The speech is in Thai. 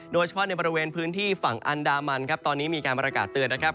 โดยเฉพาะในบริเวณพื้นที่ฝั่งอันดามันครับตอนนี้มีการประกาศเตือนนะครับ